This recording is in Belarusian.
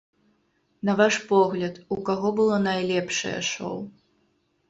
На ваш погляд, у каго было найлепшае шоу?